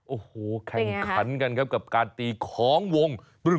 โอ้โหแข่งขันกันครับกับการตีของวง